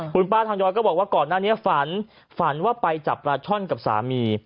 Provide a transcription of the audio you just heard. คุณป้าทางยอยก็บอกว่าก่อนหน้านี้ฝันฝันว่าไปจับปลาช่อนกับสามี